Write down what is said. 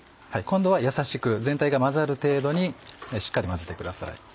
今度はやさしく全体が混ざる程度にしっかり混ぜてください